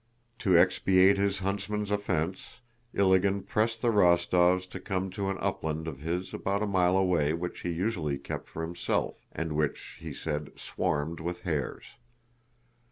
To expiate his huntsman's offense, Ilágin pressed the Rostóvs to come to an upland of his about a mile away which he usually kept for himself and which, he said, swarmed with hares.